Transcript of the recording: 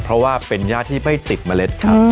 เพราะว่าเป็นย่าที่ไม่ติดเมล็ดครับ